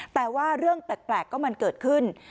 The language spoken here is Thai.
แต่ว่าเรื่องแปลกก็มันเกิดขึ้น